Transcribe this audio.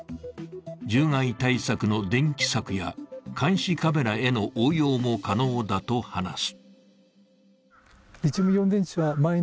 獣害対策の電気柵や監視カメラへの応用も可能だと話す。